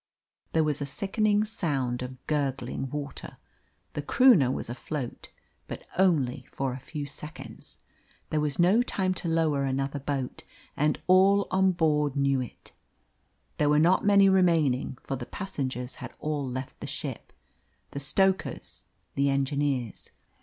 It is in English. There was a sickening sound of gurgling water. The Croonah was afloat, but only for a few seconds. There was no time to lower another boat, and all on board knew it. There were not many remaining, for the passengers had all left the ship the stokers, the engineers.